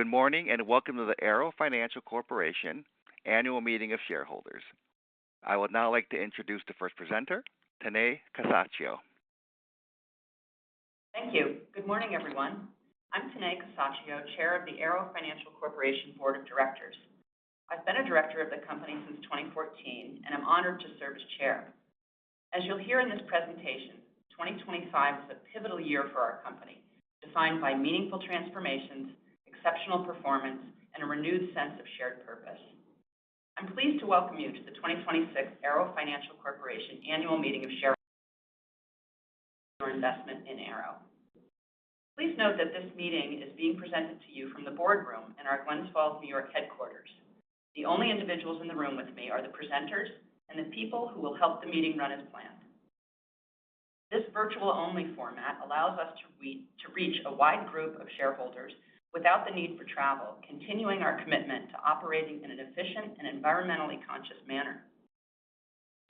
Good morning. Welcome to the Arrow Financial Corporation Annual Meeting of Shareholders. I would now like to introduce the first presenter, Tenée Casaccio. Thank you. Good morning, everyone. I'm Tenée Casaccio, Chair of the Arrow Financial Corporation Board of Directors. I've been a Director of the company since 2014, and I'm honored to serve as Chair. As you'll hear in this presentation, 2025 is a pivotal year for our company, defined by meaningful transformations, exceptional performance, and a renewed sense of shared purpose. I'm pleased to welcome you to the 2026 Arrow Financial Corporation Annual Meeting of Share-- your investment in Arrow. Please note that this meeting is being presented to you from the boardroom in our Glens Falls, New York headquarters. The only individuals in the room with me are the presenters and the people who will help the meeting run as planned. This virtual-only format allows us to reach a wide group of shareholders without the need for travel, continuing our commitment to operating in an efficient and environmentally conscious manner.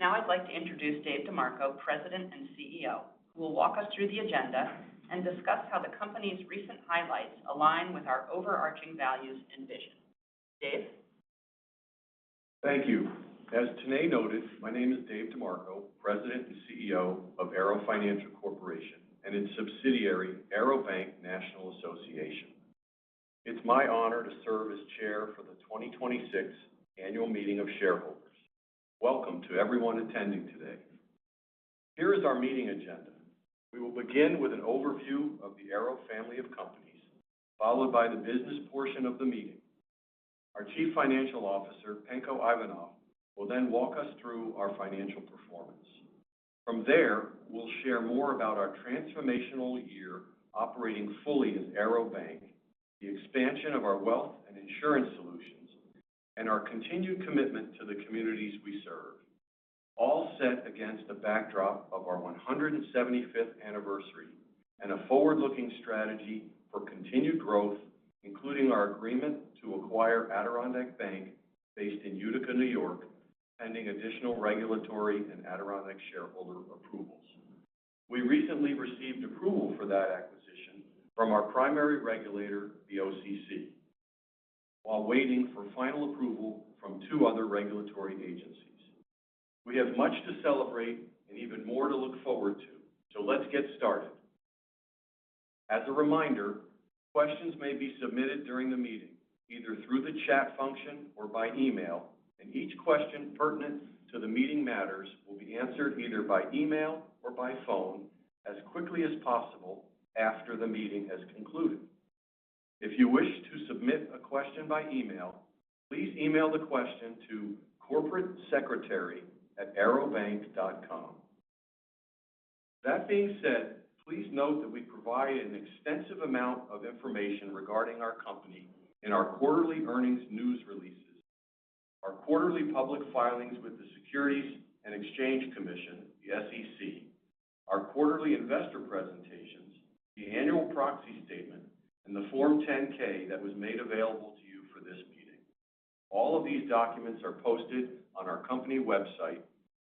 Now I'd like to introduce Dave DeMarco, President and CEO, who will walk us through the agenda and discuss how the company's recent highlights align with our overarching values and vision. Dave? Thank you. As Tenée noted, my name is Dave DeMarco, President and CEO of Arrow Financial Corporation and its subsidiary, Arrow Bank National Association. It's my honor to serve as chair for the 2026 Annual Meeting of Shareholders. Welcome to everyone attending today. Here is our meeting agenda. We will begin with an overview of the Arrow family of companies, followed by the business portion of the meeting. Our Chief Financial Officer, Penko Ivanov, will then walk us through our financial performance. From there, we'll share more about our transformational year operating fully as Arrow Bank, the expansion of our wealth and insurance solutions, and our continued commitment to the communities we serve, all set against the backdrop of our 175th anniversary and a forward-looking strategy for continued growth, including our agreement to acquire Adirondack Bank based in Utica, New York, pending additional regulatory and Adirondack shareholder approvals. We recently received approval for that acquisition from our primary regulator, the OCC, while waiting for final approval from two other regulatory agencies. We have much to celebrate and even more to look forward to. Let's get started. As a reminder, questions may be submitted during the meeting, either through the chat function or by email. Each question pertinent to the meeting matters will be answered either by email or by phone as quickly as possible after the meeting has concluded. If you wish to submit a question by email, please email the question to corporatesecretary@arrowbank.com. That being said, please note that we provide an extensive amount of information regarding our company in our quarterly earnings news releases, our quarterly public filings with the Securities and Exchange Commission, the SEC, our quarterly investor presentations, the annual proxy statement, and the Form 10-K that was made available to you for this meeting. All of these documents are posted on our company website,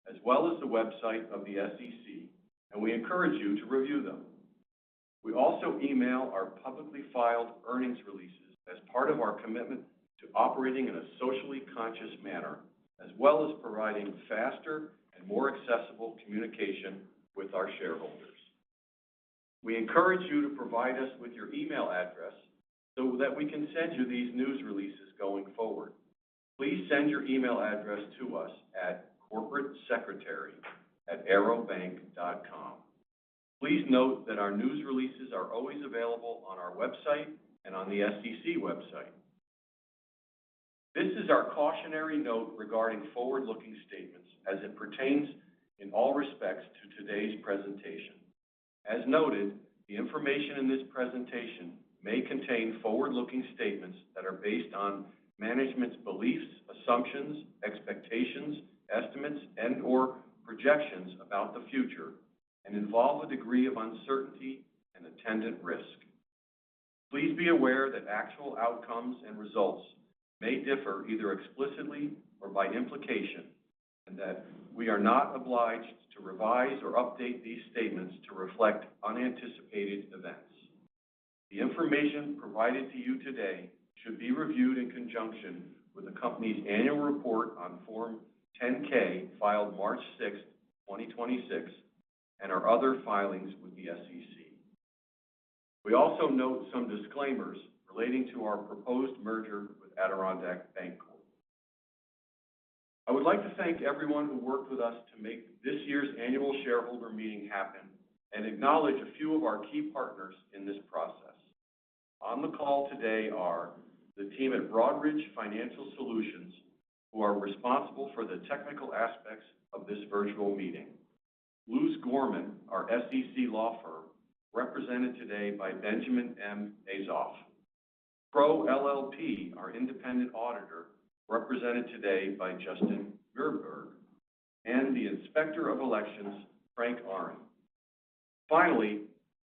as well as the website of the SEC, and we encourage you to review them. We also email our publicly filed earnings releases as part of our commitment to operating in a socially conscious manner, as well as providing faster and more accessible communication with our shareholders. We encourage you to provide us with your email address so that we can send you these news releases going forward. Please send your email address to us at corporatesecretary@arrowbank.com. Please note that our news releases are always available on our website and on the SEC website. This is our cautionary note regarding forward-looking statements as it pertains in all respects to today's presentation. As noted, the information in this presentation may contain forward-looking statements that are based on management's beliefs, assumptions, expectations, estimates, and/or projections about the future and involve a degree of uncertainty, an attendant risk. Please be aware that actual outcomes and results may differ either explicitly or by implication, and that we are not obliged to revise or update these statements to reflect unanticipated events. The information provided to you today should be reviewed in conjunction with the company's annual report on Form 10-K filed March 6th, 2026, and our other filings with the SEC. We also note some disclaimers relating to our proposed merger with Adirondack Bank. I would like to thank everyone who worked with us to make this year's annual shareholder meeting happen and acknowledge a few of our key partners in this process. On the call today are the team at Broadridge Financial Solutions, who are responsible for the technical aspects of this virtual meeting; Luse Gorman, our SEC law firm, represented today by Benjamin M. Azoff; Crowe LLP, our independent auditor, represented today by Justin Gerberg; and the Inspector of Elections, Frank Ahrin. Finally,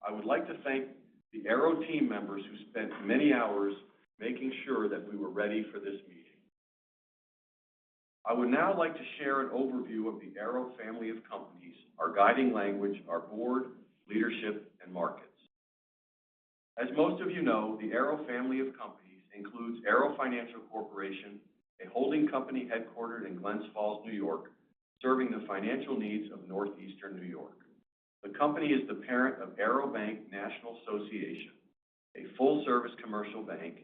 I would like to thank the Arrow team members who spent many hours making sure that we were ready for this meeting. I would now like to share an overview of the Arrow family of companies, our guiding language, our board, leadership, and markets. As most of you know, the Arrow family of companies includes Arrow Financial Corporation, a holding company headquartered in Glens Falls, N.Y., serving the financial needs of Northeastern N.Y. The company is the parent of Arrow Bank National Association, a full-service commercial bank,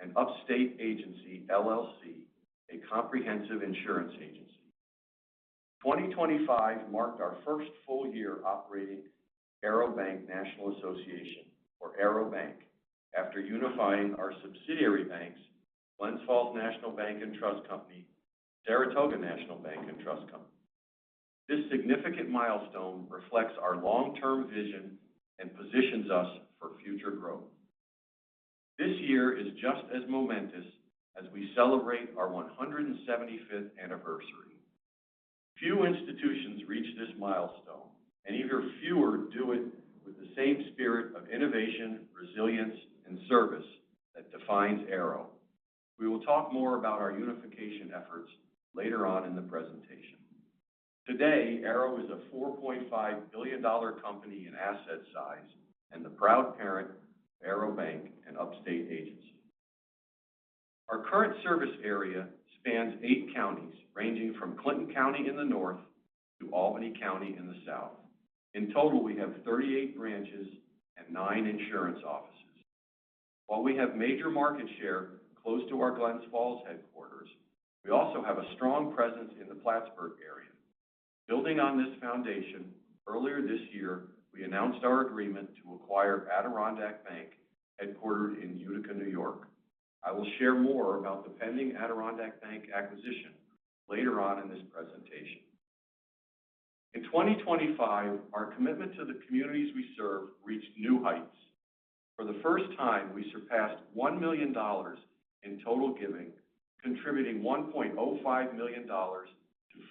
and Upstate Agency, LLC, a comprehensive insurance agency. 2025 marked our first full year operating Arrow Bank National Association, or Arrow Bank, after unifying our subsidiary banks, Glens Falls National Bank and Trust Company, Saratoga National Bank and Trust Company. This significant milestone reflects our long-term vision and positions us for future growth. This year is just as momentous as we celebrate our 175th anniversary. Few institutions reach this milestone, and even fewer do it with the same spirit of innovation, resilience, and service that defines Arrow. We will talk more about our unification efforts later on in the presentation. Today, Arrow is a $4.5 billion company in asset size and the proud parent of Arrow Bank and Upstate Agency. Our current service area spans eight counties, ranging from Clinton County in the north to Albany County in the south. In total, we have 38 branches and nine insurance offices. While we have major market share close to our Glens Falls headquarters, we also have a strong presence in the Plattsburgh area. Building on this foundation, earlier this year, we announced our agreement to acquire Adirondack Bank, headquartered in Utica, New York. I will share more about the pending Adirondack Bank acquisition later on in this presentation. In 2025, our commitment to the communities we serve reached new heights. For the first time, we surpassed $1 million in total giving, contributing $1.05 million to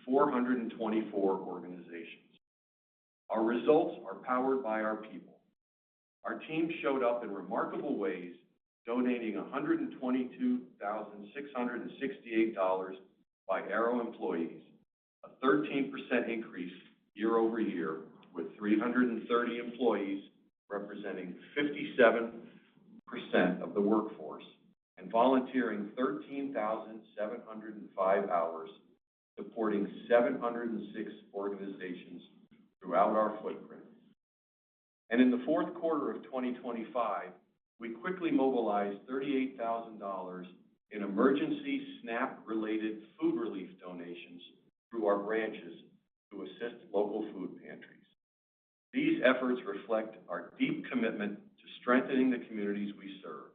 424 organizations. Our results are powered by our people. Our team showed up in remarkable ways, donating $122,668 by Arrow employees, a 13% increase year-over-year, with 330 employees representing 57% of the workforce, and volunteering 13,705 hours supporting 706 organizations throughout our footprint. In the fourth quarter of 2025, we quickly mobilized $38,000 in emergency SNAP-related food relief donations through our branches to assist local food pantries. These efforts reflect our deep commitment to strengthening the communities we serve.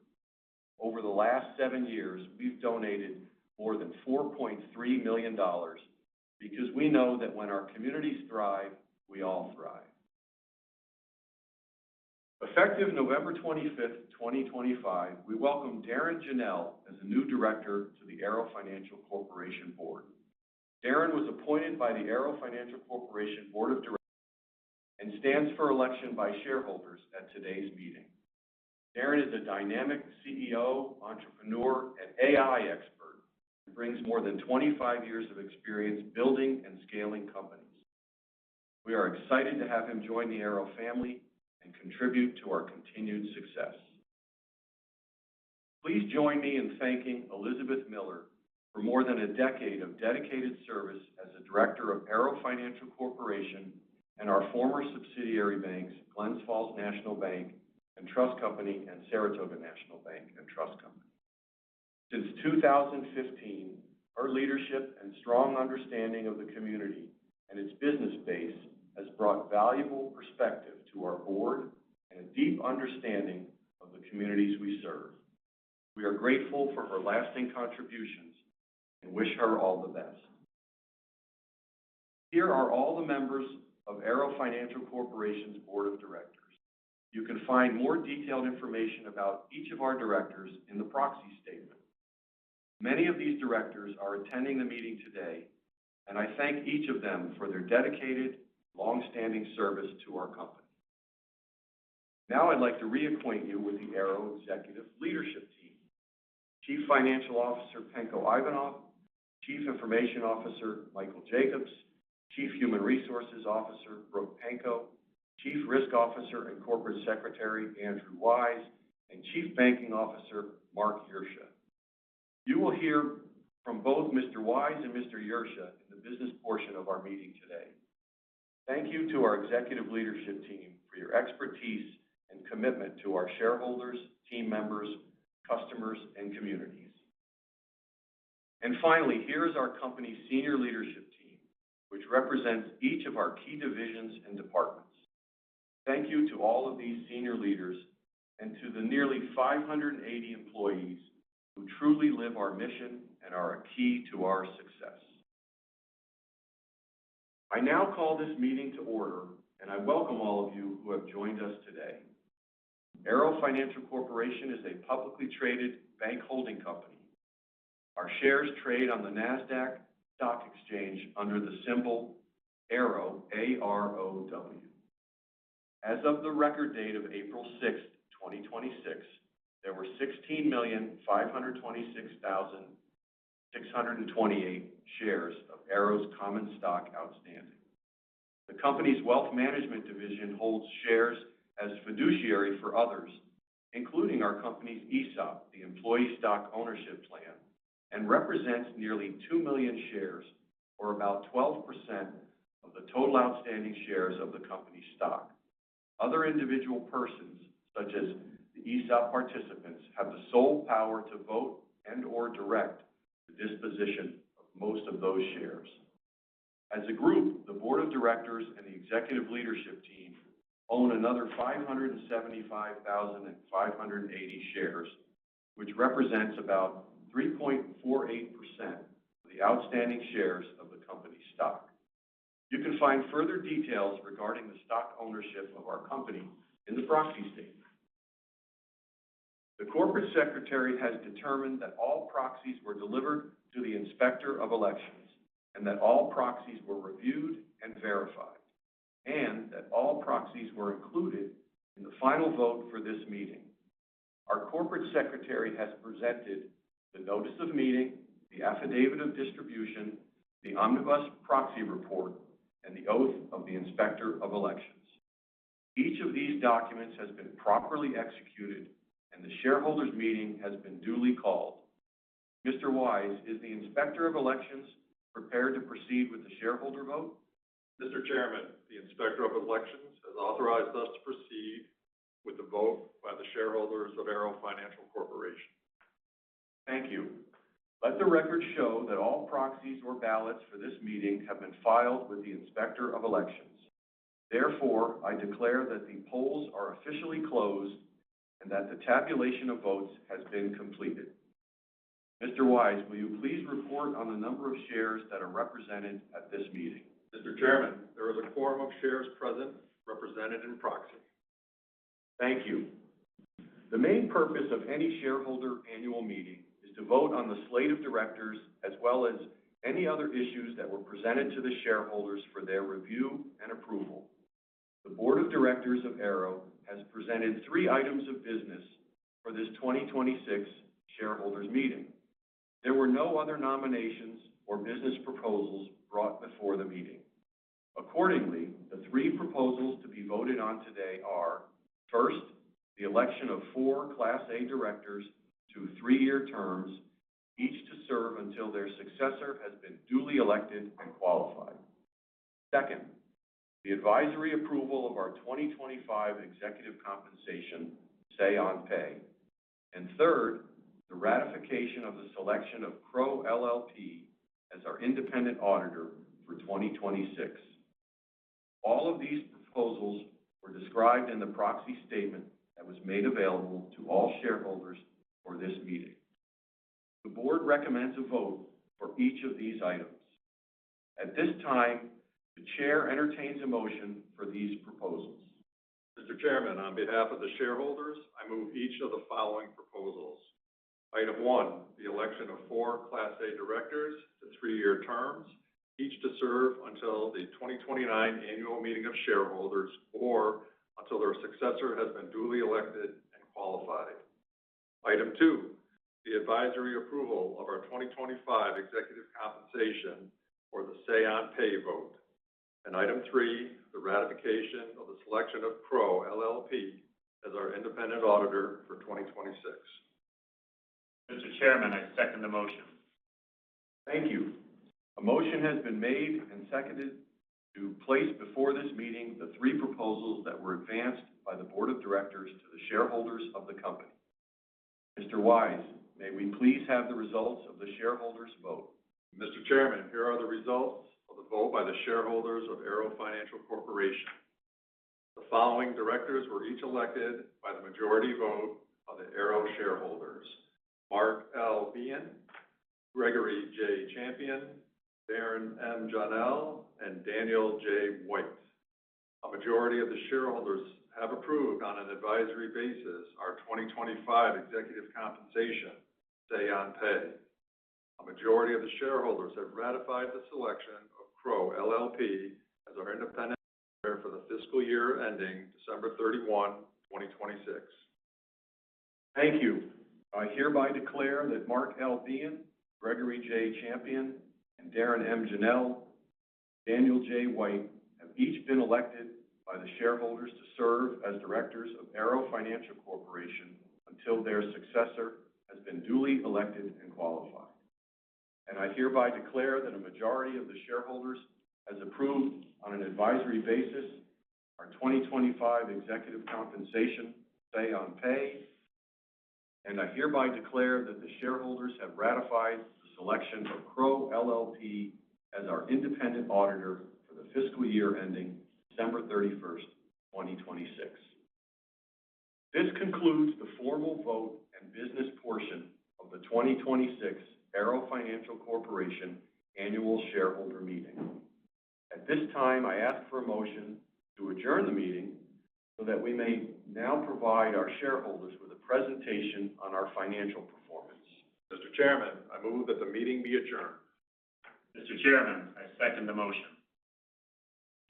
Over the last seven years, we've donated more than $4.3 million, because we know that when our communities thrive, we all thrive. Effective November 25th, 2025, we welcomed Darrin Jahnel as a new director to the Arrow Financial Corporation Board. Darrin was appointed by the Arrow Financial Corporation Board of Directors and stands for election by shareholders at today's meeting. Darrin is a dynamic CEO, entrepreneur, and AI expert who brings more than 25 years of experience building and scaling companies. We are excited to have him join the Arrow family and contribute to our continued success. Please join me in thanking Elizabeth Miller for more than a decade of dedicated service as a director of Arrow Financial Corporation and our former subsidiary banks, Glens Falls National Bank and Trust Company and Saratoga National Bank and Trust Company. Since 2015, her leadership and strong understanding of the community and its business base has brought valuable perspective to our board and a deep understanding of the communities we serve. We are grateful for her lasting contributions and wish her all the best. Here are all the members of Arrow Financial Corporation's board of directors. You can find more detailed information about each of our directors in the proxy statement. Many of these directors are attending the meeting today. I thank each of them for their dedicated, long-standing service to our company. Now I'd like to reacquaint you with the Arrow executive leadership team. Chief Financial Officer, Penko Ivanov, Chief Information Officer, Michael Jacobs, Chief Human Resources Officer, Brooke M. Pancoe, Chief Risk Officer and Corporate Secretary, Andrew J. Wise, Chief Banking Officer, Marc J. Yrsha. You will hear from both Mr. Wise and Mr. Yrsha in the business portion of our meeting today. Thank you to our executive leadership team for your expertise and commitment to our shareholders, team members, customers, and communities. Finally, here is our company's senior leadership team, which represents each of our key divisions and departments. Thank you to all of these senior leaders and to the nearly 580 employees who truly live our mission and are a key to our success. I now call this meeting to order, and I welcome all of you who have joined us today. Arrow Financial Corporation is a publicly traded bank holding company. Our shares trade on the Nasdaq Stock Exchange under the symbol AROW, A-R-O-W. As of the record date of April 6th, 2026, there were 16,526,628 shares of Arrow's common stock outstanding. The company's wealth management division holds shares as fiduciary for others, including our company's ESOP, the employee stock ownership plan, and represents nearly 2 million shares, or about 12% of the total outstanding shares of the company stock. Other individual persons, such as the ESOP participants, have the sole power to vote and/or direct the disposition of most of those shares. As a group, the board of directors and the executive leadership team own another 575,580 shares, which represents about 3.48% of the outstanding shares of the company stock. You can find further details regarding the stock ownership of our company in the proxy statement. The Corporate Secretary has determined that all proxies were delivered to the Inspector of Elections, and that all proxies were reviewed and verified, and that all proxies were included in the final vote for this meeting. Our Corporate Secretary has presented the notice of meeting, the affidavit of distribution, the omnibus proxy report, and the oath of the Inspector of Elections. Each of these documents has been properly executed, and the shareholders' meeting has been duly called. Mr. Wise, is the Inspector of Elections prepared to proceed with the shareholder vote? Mr. Chairman, the Inspector of Elections has authorized us to proceed with the vote by the shareholders of Arrow Financial Corporation. Thank you. Let the record show that all proxies or ballots for this meeting have been filed with the Inspector of Elections. Therefore, I declare that the polls are officially closed and that the tabulation of votes has been completed. Mr. Wise, will you please report on the number of shares that are represented at this meeting? Mr. Chairman, there is a quorum of shares present, represented in proxy. Thank you. The main purpose of any shareholder annual meeting is to vote on the slate of directors, as well as any other issues that were presented to the shareholders for their review and approval. The board of directors of Arrow has presented three items of business for this 2026 shareholders meeting. There were no other nominations or business proposals brought before the meeting. Accordingly, the three proposals to be voted on today are, first, the election of four Class A directors to three-year terms, each to serve until their successor has been duly elected and qualified. Second, the advisory approval of our 2025 executive compensation say on pay. Third, the ratification of the selection of Crowe LLP as our independent auditor for 2026. All of these proposals were described in the proxy statement that was made available to all shareholders for this meeting. The board recommends a vote for each of these items. At this time, the chair entertains a motion for these proposals. Mr. Chairman, on behalf of the shareholders, I move each of the following proposals. Item 1, the election of four Class A directors to three-year terms, each to serve until the 2029 annual meeting of shareholders, or until their successor has been duly elected and qualified. Item 2, the advisory approval of our 2025 executive compensation for the say on pay vote. Item 3, the ratification of the selection of Crowe LLP as our independent auditor for 2026. Mr. Chairman, I second the motion. Thank you. A motion has been made and seconded to place before this meeting the three proposals that were advanced by the board of directors to the shareholders of the company. Mr. Wise, may we please have the results of the shareholders vote? Mr. Chairman, here are the results of the vote by the shareholders of Arrow Financial Corporation. The following directors were each elected by the majority vote of the Arrow shareholders. Mark L. Behan, Gregory J. Champion, Darrin M. Jahnel, and Daniel J. White. A majority of the shareholders have approved, on an advisory basis, our 2025 executive compensation say on pay. A majority of the shareholders have ratified the selection of Crowe LLP as our independent auditor for the fiscal year ending December 31, 2026. Thank you. I hereby declare that Mark L. Behan, Gregory J. Champion, and Darrin M. Jahnel, Daniel J. White have each been elected by the shareholders to serve as directors of Arrow Financial Corporation until their successor has been duly elected and qualified. I hereby declare that a majority of the shareholders has approved, on an advisory basis, our 2025 executive compensation say on pay. I hereby declare that the shareholders have ratified the selection of Crowe LLP as our independent auditor for the fiscal year ending December 31st, 2026. This concludes the formal vote and business portion of the 2026 Arrow Financial Corporation annual shareholder meeting. At this time, I ask for a motion to adjourn the meeting so that we may now provide our shareholders with a presentation on our financial performance. Mr. Chairman, I move that the meeting be adjourned. Mr. Chairman, I second the motion.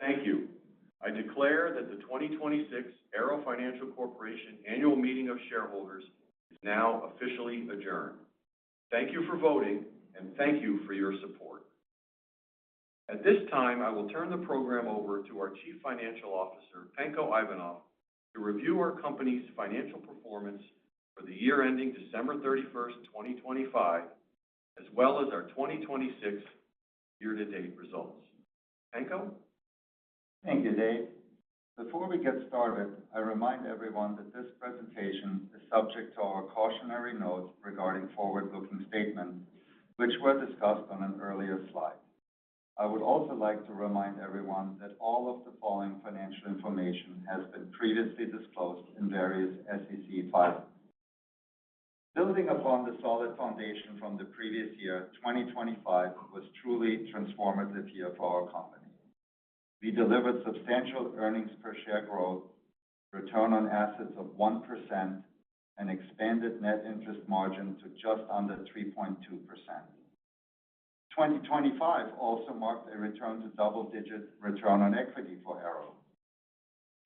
Thank you. I declare that the 2026 Arrow Financial Corporation Annual Meeting of Shareholders is now officially adjourned. Thank you for voting and thank you for your support. At this time, I will turn the program over to our Chief Financial Officer, Penko Ivanov, to review our company's financial performance for the year ending December 31st, 2025, as well as our 2026 year-to-date results. Penko? Thank you, Dave. Before we get started, I remind everyone that this presentation is subject to our cautionary note regarding forward-looking statements, which were discussed on an earlier slide. I would also like to remind everyone that all of the following financial information has been previously disclosed in various SEC filings. Building upon the solid foundation from the previous year, 2025 was truly a transformative year for our company. We delivered substantial earnings per share growth, return on assets of 1%, and expanded net interest margin to just under 3.2%. 2025 also marked a return to double-digit return on equity for Arrow.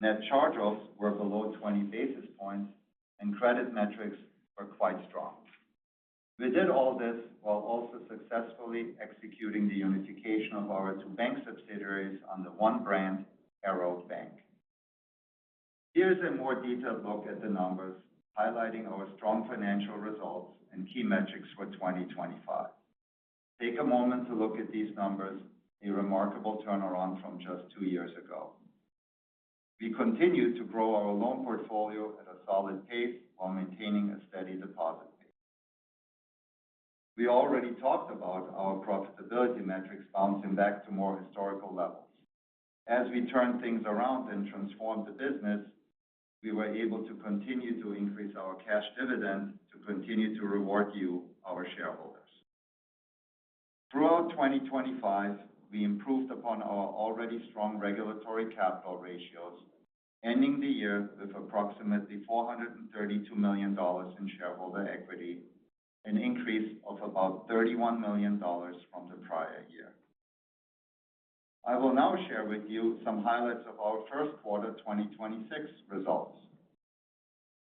Net charge-offs were below 20 basis points, and credit metrics were quite strong. We did all this while also successfully executing the unification of our two bank subsidiaries under one brand, Arrow Bank. Here's a more detailed look at the numbers, highlighting our strong financial results and key metrics for 2025. Take a moment to look at these numbers, a remarkable turnaround from just two years ago. We continued to grow our loan portfolio at a solid pace while maintaining a steady deposit base. We already talked about our profitability metrics bouncing back to more historical levels. As we turned things around and transformed the business, we were able to continue to increase our cash dividend to continue to reward you, our shareholders. Throughout 2025, we improved upon our already strong regulatory capital ratios, ending the year with approximately $432 million in shareholder equity, an increase of about $31 million from the prior year. I will now share with you some highlights of our first quarter 2026 results.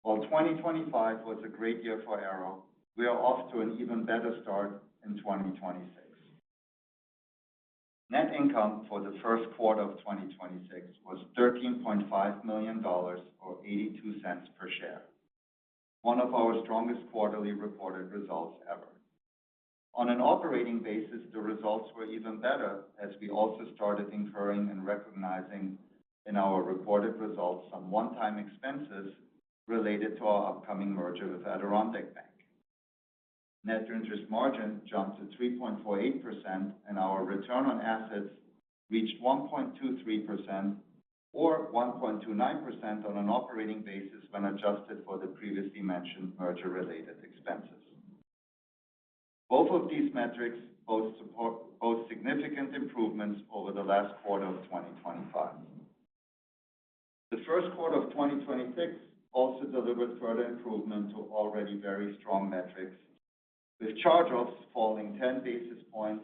While 2025 was a great year for Arrow, we are off to an even better start in 2026. Net income for the first quarter of 2026 was $13.5 million, or $0.82 per share, one of our strongest quarterly reported results ever. On an operating basis, the results were even better as we also started incurring and recognizing in our reported results some one-time expenses related to our upcoming merger with Adirondack Bank. Net interest margin jumped to 3.48%, and our return on assets reached 1.23%, or 1.29% on an operating basis when adjusted for the previously mentioned merger-related expenses. Both of these metrics support significant improvements over the last quarter of 2025. The first quarter of 2026 also delivered further improvement to already very strong metrics, with charge-offs falling 10 basis points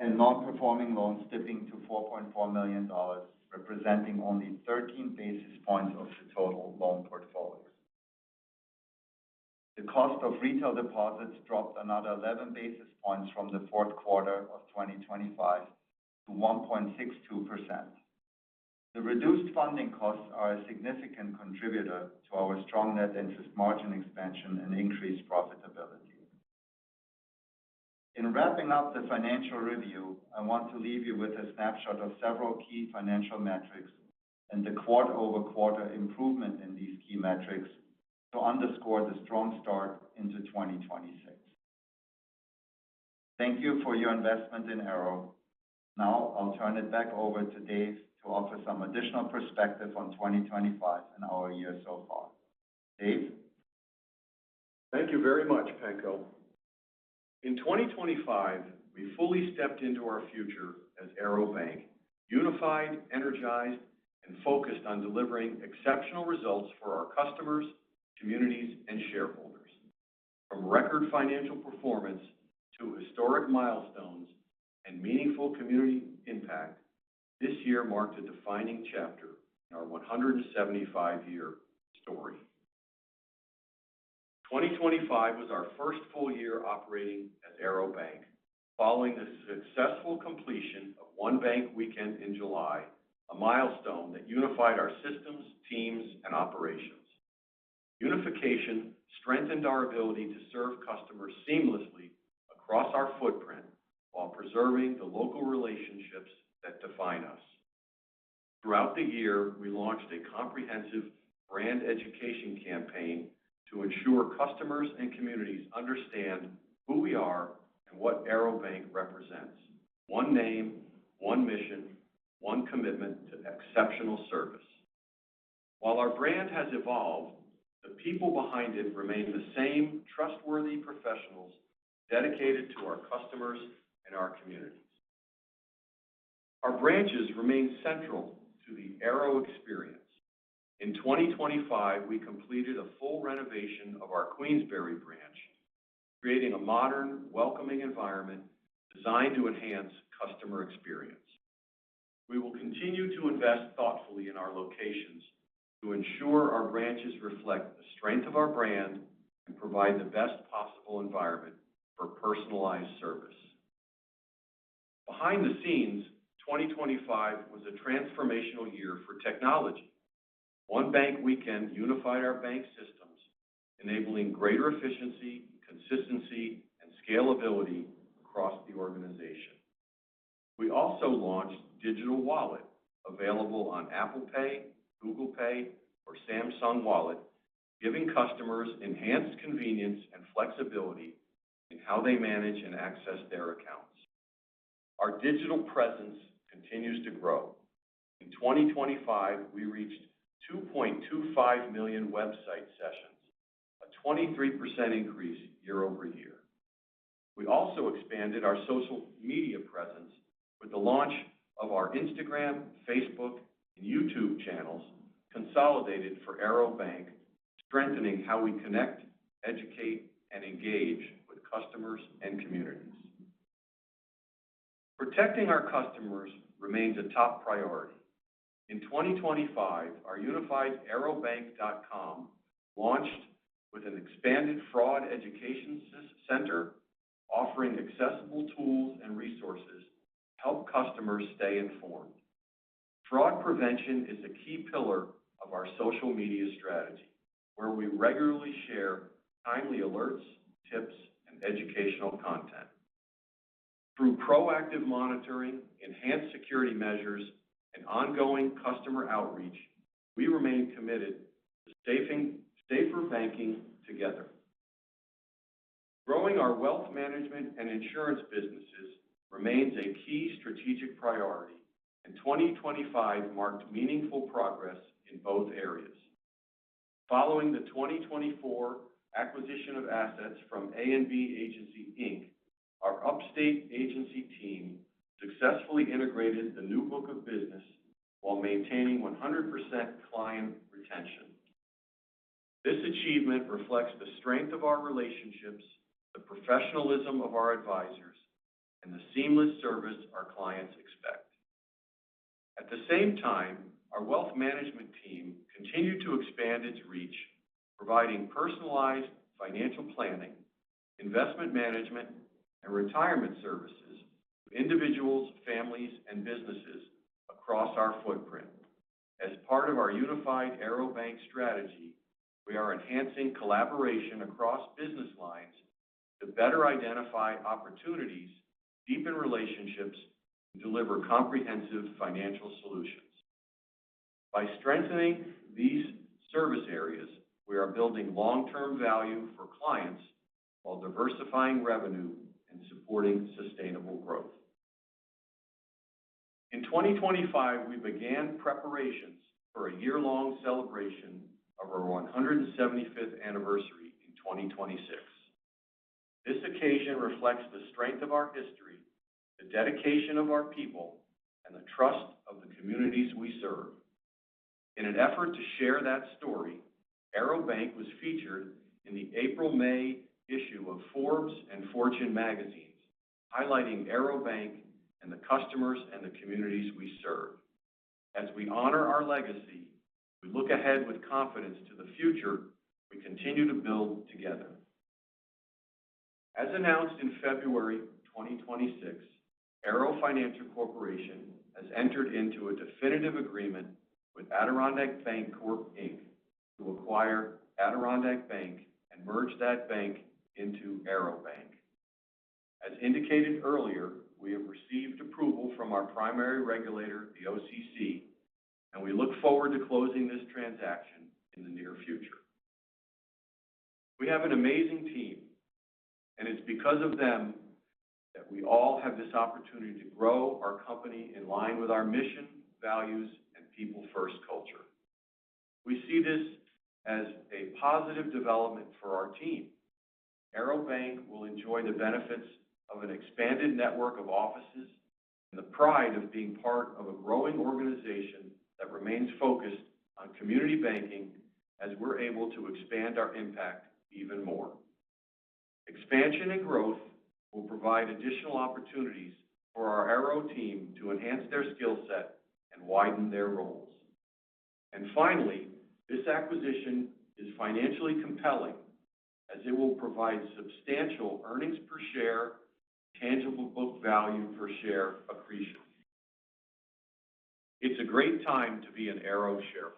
and non-performing loans dipping to $4.4 million, representing only 13 basis points of the total loan portfolio. The cost of retail deposits dropped another 11 basis points from the fourth quarter of 2025 to 1.62%. The reduced funding costs are a significant contributor to our strong net interest margin expansion and increased profitability. In wrapping up the financial review, I want to leave you with a snapshot of several key financial metrics and the quarter-over-quarter improvement in these key metrics to underscore the strong start into 2026. Thank you for your investment in Arrow. I'll turn it back over to Dave to offer some additional perspective on 2025 and our year so far. Dave? Thank you very much, Penko. In 2025, we fully stepped into our future as Arrow Bank, unified, energized, and focused on delivering exceptional results for our customers, communities, and shareholders. From record financial performance to historic milestones and meaningful community impact, this year marked a defining chapter in our 175-year story. 2025 was our first full year operating as Arrow Bank, following the successful completion of One Bank Weekend in July, a milestone that unified our systems, teams, and operations. Unification strengthened our ability to serve customers seamlessly across our footprint while preserving the local relationships that define us. Throughout the year, we launched a comprehensive brand education campaign to ensure customers and communities understand who we are and what Arrow Bank represents. One name, one mission, one commitment to exceptional service. While our brand has evolved, the people behind it remain the same trustworthy professionals dedicated to our customers and our communities. Our branches remain central to the Arrow experience. In 2025, we completed a full renovation of our Queensbury branch, creating a modern, welcoming environment designed to enhance customer experience. We will continue to invest thoughtfully in our locations to ensure our branches reflect the strength of our brand and provide the best possible environment for personalized service. Behind the scenes, 2025 was a transformational year for technology. One Bank Weekend unified our bank systems, enabling greater efficiency, consistency, and scalability across the organization. We also launched Digital Wallet, available on Apple Pay, Google Pay, or Samsung Wallet, giving customers enhanced convenience and flexibility in how they manage and access their accounts. Our digital presence continues to grow. In 2025, we reached 2.25 million website sessions, a 23% increase year-over-year. We also expanded our social media presence with the launch of our Instagram, Facebook, and YouTube channels, consolidated for Arrow Bank, strengthening how we connect, educate, and engage with customers and communities. Protecting our customers remains a top priority. In 2025, our unified arrowbank.com launched with an expanded fraud education center, offering accessible tools and resources to help customers stay informed. Fraud prevention is a key pillar of our social media strategy, where we regularly share timely alerts, tips, and educational content. Through proactive monitoring, enhanced security measures, and ongoing customer outreach, we remain committed to safer banking together. Growing our wealth management and insurance businesses remains a key strategic priority. 2025 marked meaningful progress in both areas. Following the 2024 acquisition of assets from A&B Agency, Inc., our Upstate Agency team successfully integrated the new book of business while maintaining 100% client retention. This achievement reflects the strength of our relationships, the professionalism of our advisors, and the seamless service our clients expect. At the same time, our wealth management team continued to expand its reach, providing personalized financial planning, investment management, and retirement services to individuals, families, and businesses across our footprint. As part of our unified Arrow Bank strategy, we are enhancing collaboration across business lines to better identify opportunities, deepen relationships, and deliver comprehensive financial solutions. By strengthening these service areas, we are building long-term value for clients while diversifying revenue and supporting sustainable growth. In 2025, we began preparations for a year-long celebration of our 175th anniversary in 2026. This occasion reflects the strength of our history, the dedication of our people, and the trust of the communities we serve. In an effort to share that story, Arrow Bank was featured in the April-May issue of Forbes and Fortune magazines, highlighting Arrow Bank and the customers and the communities we serve. As we honor our legacy, we look ahead with confidence to the future we continue to build together. As announced in February 2026, Arrow Financial Corporation has entered into a definitive agreement with Adirondack Bancorp, Inc. to acquire Adirondack Bank and merge that bank into Arrow Bank. As indicated earlier, we have received approval from our primary regulator, the OCC, and we look forward to closing this transaction in the near future. We have an amazing team. It's because of them that we all have this opportunity to grow our company in line with our mission, values, and people-first culture. We see this as a positive development for our team. Arrow Bank will enjoy the benefits of an expanded network of offices and the pride of being part of a growing organization that remains focused on community banking as we're able to expand our impact even more. Expansion and growth will provide additional opportunities for our Arrow team to enhance their skill set and widen their roles. Finally, this acquisition is financially compelling as it will provide substantial earnings per share, tangible book value per share appreciation. It's a great time to be an Arrow shareholder.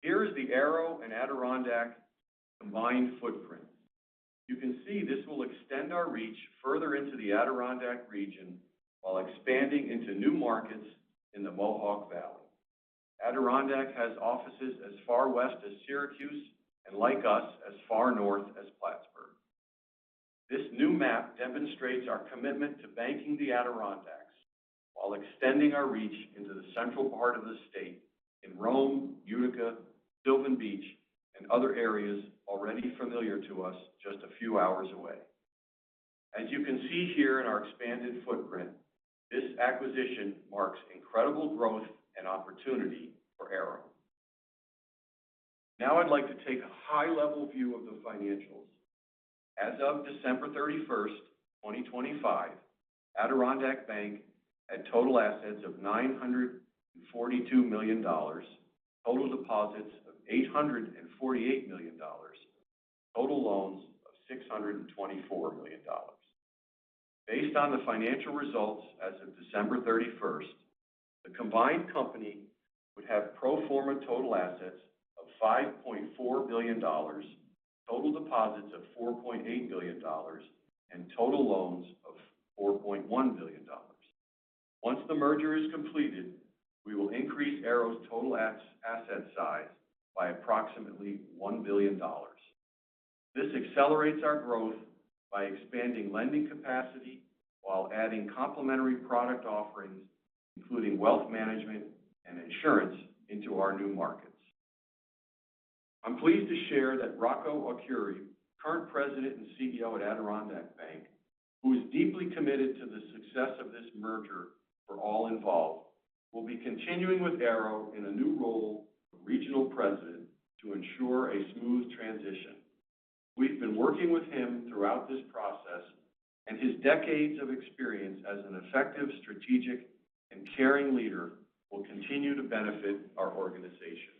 Here is the Arrow and Adirondack combined footprints. You can see this will extend our reach further into the Adirondack region while expanding into new markets in the Mohawk Valley. Adirondack has offices as far west as Syracuse and like us, as far north as Plattsburgh. This new map demonstrates our commitment to banking the Adirondacks. While extending our reach into the central part of the state in Rome, Utica, Sylvan Beach, and other areas already familiar to us just a few hours away. As you can see here in our expanded footprint, this acquisition marks incredible growth and opportunity for Arrow. Now I'd like to take a high-level view of the financials. As of December 31st, 2025, Adirondack Bank had total assets of $942 million, total deposits of $848 million, total loans of $624 million. Based on the financial results as of December 31st, the combined company would have pro forma total assets of $5.4 billion, total deposits of $4.8 billion, and total loans of $4.1 billion. Once the merger is completed, we will increase Arrow's total asset size by approximately $1 billion. This accelerates our growth by expanding lending capacity while adding complementary product offerings, including wealth management and insurance into our new markets. I'm pleased to share that Rocco Arcuri, current president and CEO at Adirondack Bank, who is deeply committed to the success of this merger for all involved, will be continuing with Arrow in a new role of regional president to ensure a smooth transition. We've been working with him throughout this process and his decades of experience as an effective strategic and caring leader will continue to benefit our organization.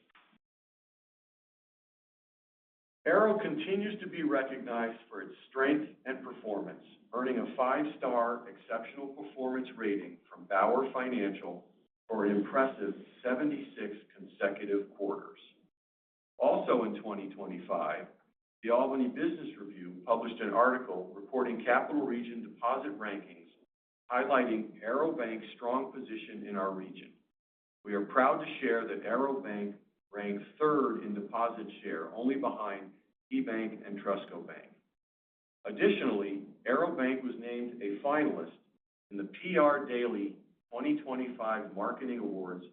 Arrow continues to be recognized for its strength and performance, earning a five-star exceptional performance rating from BauerFinancial for an impressive 76 consecutive quarters. Also in 2025, the Albany Business Review published an article reporting Capital Region deposit rankings highlighting Arrow Bank's strong position in our region. We are proud to share that Arrow Bank ranks third in deposit share, only behind KeyBank and Trustco Bank. Additionally, Arrow Bank was named a finalist in the PR Daily 2025 Marketing Awards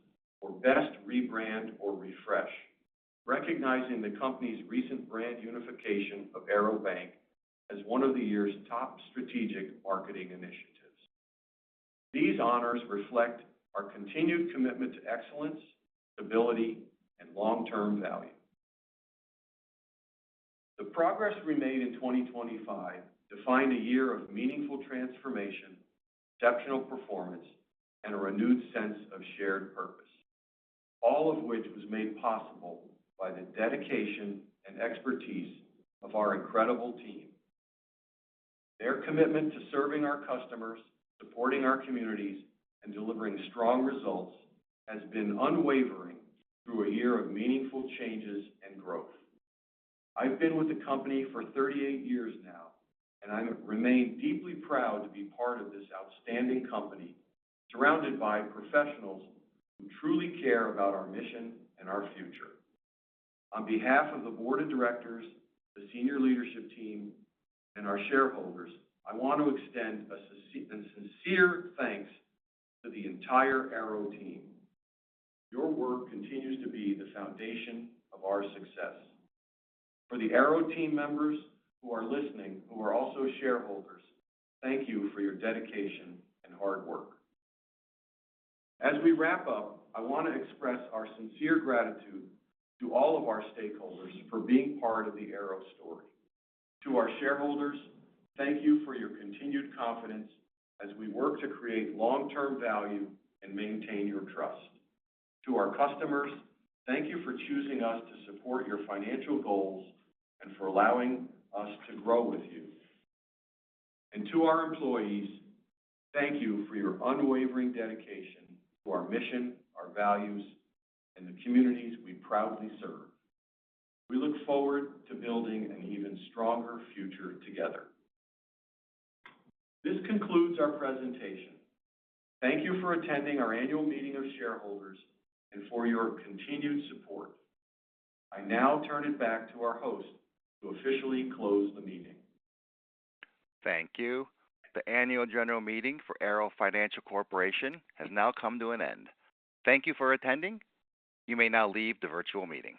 for Best Rebrand or Refresh, recognizing the company's recent brand unification of Arrow Bank as one of the year's top strategic marketing initiatives. These honors reflect our continued commitment to excellence, stability, and long-term value. The progress we made in 2025 defined a year of meaningful transformation, exceptional performance, and a renewed sense of shared purpose, all of which was made possible by the dedication and expertise of our incredible team. Their commitment to serving our customers, supporting our communities, and delivering strong results has been unwavering through a year of meaningful changes and growth. I've been with the company for 38 years now, and I remain deeply proud to be part of this outstanding company, surrounded by professionals who truly care about our mission and our future. On behalf of the board of directors, the senior leadership team, and our shareholders, I want to extend a sincere thanks to the entire Arrow team. Your work continues to be the foundation of our success. For the Arrow team members who are listening who are also shareholders, thank you for your dedication and hard work. As we wrap up, I want to express our sincere gratitude to all of our stakeholders for being part of the Arrow story. To our shareholders, thank you for your continued confidence as we work to create long-term value and maintain your trust. To our customers, thank you for choosing us to support your financial goals and for allowing us to grow with you. To our employees, thank you for your unwavering dedication to our mission, our values, and the communities we proudly serve. We look forward to building an even stronger future together. This concludes our presentation. Thank you for attending our annual meeting of shareholders and for your continued support. I now turn it back to our host to officially close the meeting. Thank you. The annual general meeting for Arrow Financial Corporation has now come to an end. Thank you for attending. You may now leave the virtual meeting.